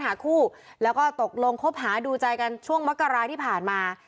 หาคู่แล้วก็ตกลงครบหาดูใจกันช่วงและผ้านมา